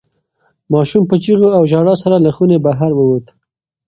ماشوم په چیغو او ژړا سره له خونې بهر ووت.